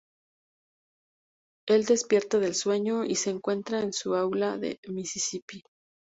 Él despierta del sueño y se encuentra en su aula de Mississippi.